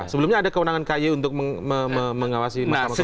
sebelumnya ada keunangan kaye untuk mengawasi